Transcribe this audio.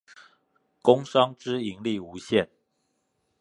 工商之盈利無限